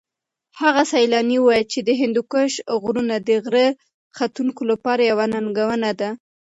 هغه سېلاني وویل چې د هندوکش غرونه د غره ختونکو لپاره یوه ننګونه ده.